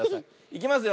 いきますよ。